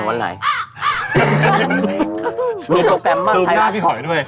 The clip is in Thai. ไทยรัททีวีก็ถ่ายท้อสด